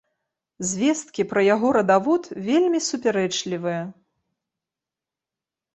Звесткі пра яго радавод вельмі супярэчлівыя.